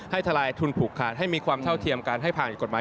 ทลายทุนผูกขาดให้มีความเท่าเทียมการให้ผ่านกฎหมาย